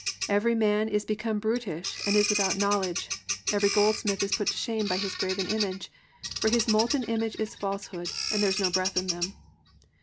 (14) Every man is become brutish and is without knowledge; every goldsmith is put to shame by his graven image; for his molten image is falsehood, and there is no breath in them.